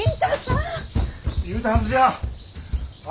言うたはずじゃあ。